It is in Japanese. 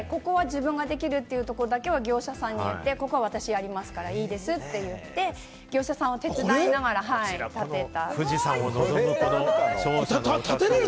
全部ではないんですけれども、安く建てたかったんで、ここは自分ができるというところだけは業者さんに言ってここは私がやりますからいいですって言って、業者さんは手伝いながら建てた。